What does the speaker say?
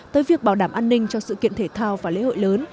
tới việc bảo đảm an ninh cho sự kiện thể thao và lễ hội lớn